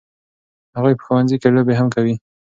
هغوی په ښوونځي کې لوبې هم کوي.